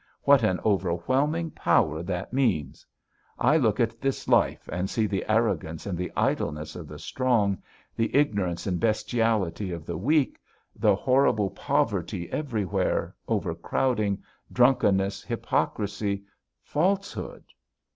What an overwhelming power that means! I look at this life and see the arrogance and the idleness of the strong, the ignorance and bestiality of the weak, the horrible poverty everywhere, overcrowding, drunkenness, hypocrisy, falsehood....